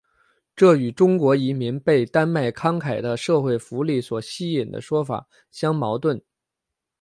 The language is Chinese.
这与中国移民被丹麦慷慨的社会福利所吸引的说法相矛盾。